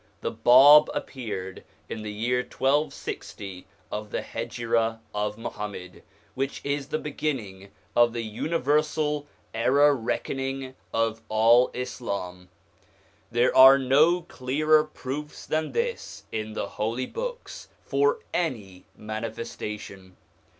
The Bab appeared in the year 1260 of the Hejira of Muhammad, which is the beginning of the universal era reckoning of all Islam. There are no clearer proofs than this in the Holy Books for any Manifestation.